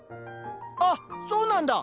あっそうなんだ。